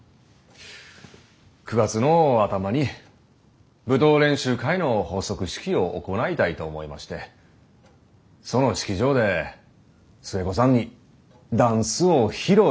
９月の頭に舞踏練習会の発足式を行いたいと思いましてその式場で寿恵子さんにダンスを披露していただきたいのです。